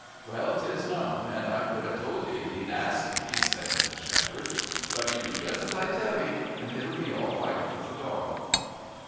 "Well, 'tis known, and I could have told 'ee, if thee'd asked me," said the shepherd. "But you do just as I tell 'ee, and it'll be all right with the dog."